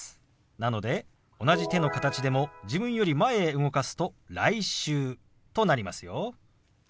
なので同じ手の形でも自分より前へ動かすと「来週」となりますよ。